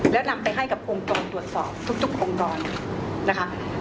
แล้วนำไปให้กับองค์กรตรวจสอบทุกองค์กรนะคะ